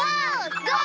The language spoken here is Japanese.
ゴー！